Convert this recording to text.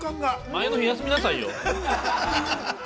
◆前の日休みなさいよ。